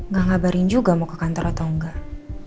gak ngabarin juga mau ke kantor atau enggak